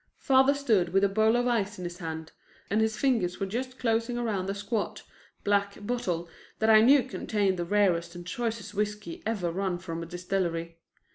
Father stood with a bowl of ice in his hand and his fingers were just closing around a squat, black bottle that I knew contained the rarest and choicest whiskey ever run from a distillery.